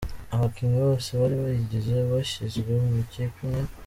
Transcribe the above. Abakinnyi bose bari bayigize bashyizwe mu ikipe imwe.